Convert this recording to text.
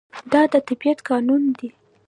دا د طبیعت قانون دی.